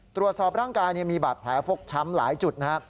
ตรวจสอบร่างกายมีบาดแผลฟกช้ำหลายจุดนะครับ